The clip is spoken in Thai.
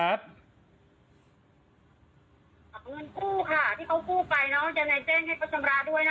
ขอบคุณคู่ค่ะที่เขาคู่ไปเนาะเจนไนเจนให้เขาชำระด้วยนะครับ